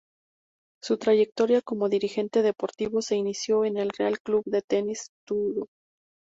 Su trayectoria como dirigente deportivo se inició en el Real Club de Tenis Turó.